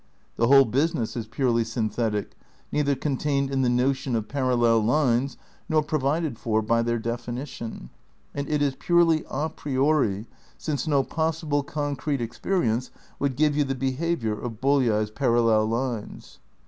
The whole business is purely synthetic, neither contained in the notion of parallel lines nor provided for by their definition; and it is purely a priori, since no possible concrete experience would give you the behaviour of Bolyai 's parallel lines.